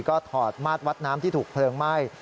ก็ถอดมาดวัดน้ำที่ถูกเพลิงไหม้